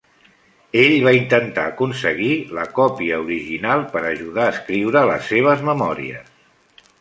Ell va intentar aconseguir la còpia original per ajudar a escriure les seves memòries.